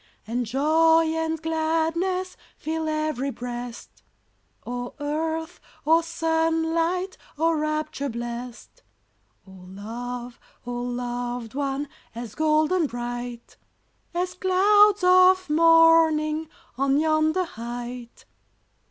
And joy and gladness Fill ev'ry breast! Oh earth! oh sunlight! Oh rapture blest! Oh love! oh loved one! As golden bright, As clouds of morning On yonder height!